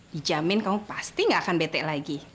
dijamin kamu pasti gak akan bete lagi